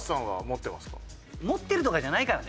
持ってるとかじゃないからね。